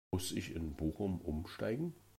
Muss ich in Bochum Umsteigen?